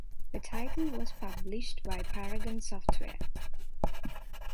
The title was published by Paragon Software.